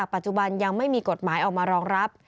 ปัจจุบันยังไม่มีกฎหมายออกมารองรับ